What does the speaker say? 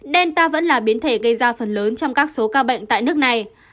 delta vẫn là biến thể gây ra phần lớn trong các số ca bệnh tại nước này